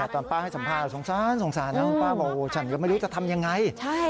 ตอนป้าให้สัมภาษณ์สงสารนะว่าท่านป้าบอกว่าฉันก็ไม่รู้จะทำยังไง